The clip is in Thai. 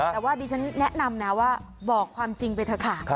แต่ว่าดิฉันแนะนำนะว่าบอกความจริงไปเถอะค่ะ